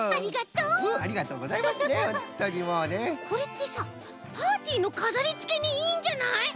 これってさパーティーのかざりつけにいいんじゃない？